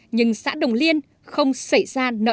nhưng xã đồng liên không xảy ra nông thôn mới